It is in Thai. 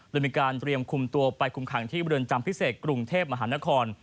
โดยมีการเตรียมคุมตัวไปคุมขังที่บริเวณจำพิเศษกรุงเทพมหานคร